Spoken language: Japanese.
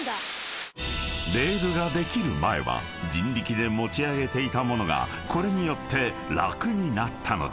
［レールができる前は人力で持ち上げていたものがこれによって楽になったのだ］